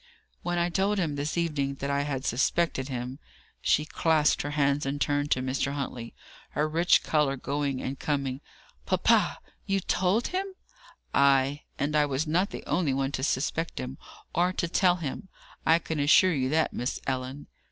"When I told him this evening that I had suspected him " She clasped her hands and turned to Mr. Huntley, her rich colour going and coming. "Papa, you told him?" "Ay. And I was not the only one to suspect him, or to tell him. I can assure you that, Miss Ellen."